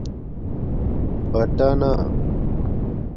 بٹَنݳ